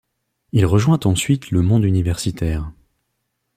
Il rejoint ensuite le monde universitaire.